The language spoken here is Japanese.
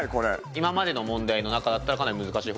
今までの問題の中だったらかなり難しい方。